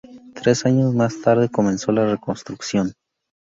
Tres años más tarde comenzó la reconstrucción.